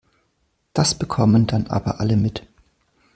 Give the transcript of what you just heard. Das bekommen dann aber alle mit.